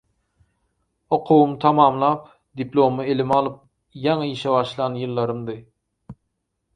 Okuwymy tamamlap, diplomymy elime alyp, ýaňy işe başlan ýyllarymdy.